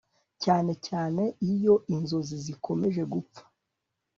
cyane cyane iyo inzozi zikomeje gupfa